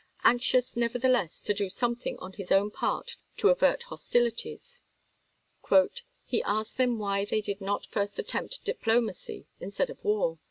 Anxious, nevertheless, to do something on his own part to avert hostilities, " he asked them why they did not first attempt diplo macy instead of war.